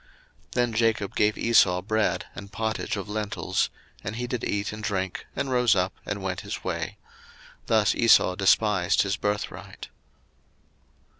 01:025:034 Then Jacob gave Esau bread and pottage of lentiles; and he did eat and drink, and rose up, and went his way: thus Esau despised his birthright.